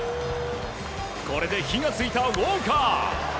これで火が付いたウォーカー。